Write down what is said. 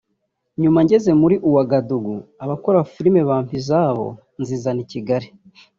nyuma ngeze muri Ouagadougou abakora filime bampa izabo nzizana i Kigali